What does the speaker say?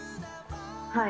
はい。